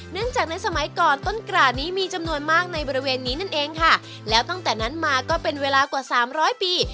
จากในสมัยก่อนต้นกราดนี้มีจำนวนมากในบริเวณนี้นั่นเองค่ะแล้วตั้งแต่นั้นมาก็เป็นเวลากว่าสามร้อยปี